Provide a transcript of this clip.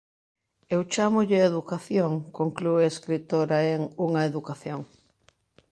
Eu chámolle educación, conclúe a escritora en "Unha educación".